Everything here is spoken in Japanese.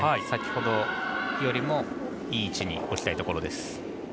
先ほどよりもいい位置に置きたいところです。